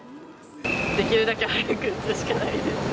できるだけ早く打つしかないですね。